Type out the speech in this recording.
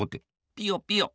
ピヨピヨ。